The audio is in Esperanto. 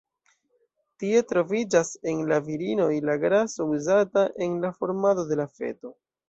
Tie troviĝas, en la virinoj, la graso uzata en la formado de la feto.